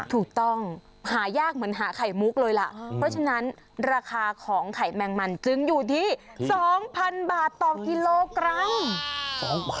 ถูกต้องหายากเหมือนหาไข่มุกเลยล่ะเพราะฉะนั้นราคาของไข่แมงมันจึงอยู่ที่๒๐๐๐บาทต่อกิโลกรัม